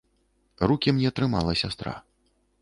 Рукі мне трымала сястра.